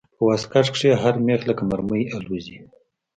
په واسکټ کښې هر مېخ لکه مرمۍ الوزي.